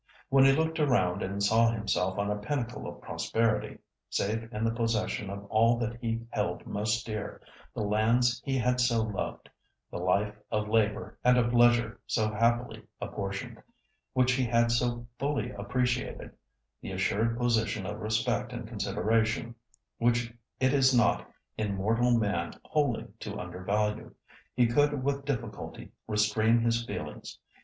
When he looked around and saw himself on a pinnacle of prosperity, safe in the possession of all that he held most dear—the lands he had so loved—the life of labour and of leisure so happily apportioned, which he had so fully appreciated—the assured position of respect and consideration, which it is not in mortal man wholly to undervalue, he could with difficulty restrain his feelings.